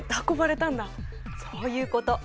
そういうこと。